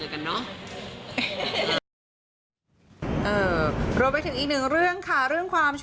คิดถึงเพื่อนไหมคะ